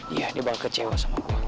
iya dia bilang kecewa sama gue